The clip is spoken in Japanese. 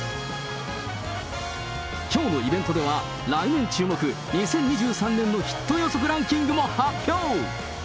きょうのイベントでは来年注目、２０２３年のヒット予測ランキングも発表。